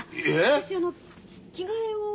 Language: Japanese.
私あの着替えを。